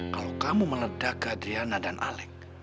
kalau kamu meledak ke adriana dan alec